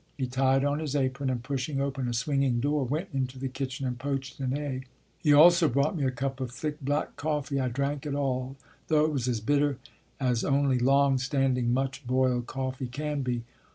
He tied on his apron and pushing open a swinging door, went into the kitchen and poached an egg. He also brought me a cup of thick black coffee. I drank it all, though it was as bitter as only long standing, much boiled coffee can be.